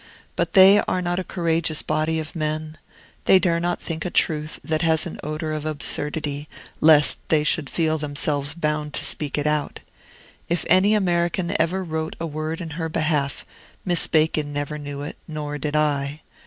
But they are not a courageous body of men; they dare not think a truth that has an odor of absurdity, lest they should feel themselves bound to speak it out. If any American ever wrote a word in her behalf, Miss Bacon never knew it, nor did I.